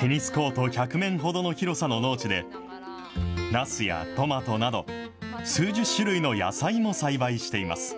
テニスコート１００面ほどの広さの農地で、ナスやトマトなど、数十種類の野菜も栽培しています。